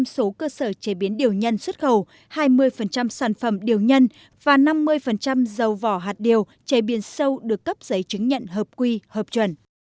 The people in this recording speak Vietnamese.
một trăm linh số cơ sở chế biến điều nhân xuất khẩu hai mươi sản phẩm điều nhân và năm mươi dầu vỏ hạt điều chế biến sâu được cấp giấy chứng nhận hợp quy hợp chuẩn